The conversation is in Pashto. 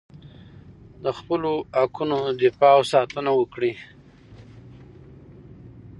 د خپلو حقونو دفاع او ساتنه وکړئ.